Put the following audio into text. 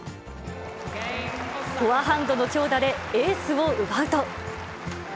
フォアハンドの強打でエースを奪うと。